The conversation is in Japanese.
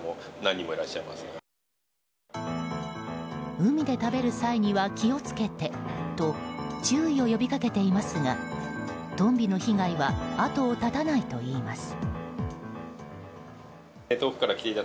海で食べる際には気を付けてと注意を呼び掛けていますがトンビの被害は後を絶たないといいます。